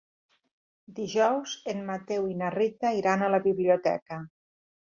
Dijous en Mateu i na Rita iran a la biblioteca.